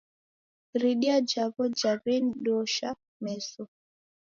iridia jaw'o jaw'eni dosha meso.